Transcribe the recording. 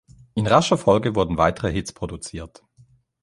In rascher Folge wurden weitere Hits produziert.